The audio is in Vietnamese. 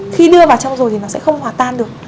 khi đưa vào trong rồi thì nó sẽ không hòa tan được